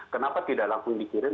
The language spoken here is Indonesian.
kenapa tidak langsung dikirim